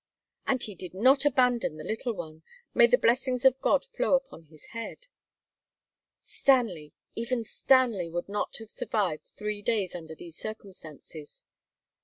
"And he did not abandon the little one. May the blessings of God flow upon his head!" "Stanley even Stanley would not have survived three days under these circumstances."